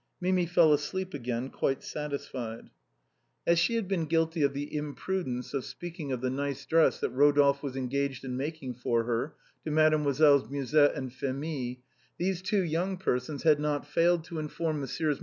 Mimi fell asleep again quite satisfied. As she had been guilty of the imprudence of speaking of the nice dress that Rodolphe was engaged in making for her to Mesdemoiselles Musette and Phémie, these two young persons had not failed to inform Messieurs.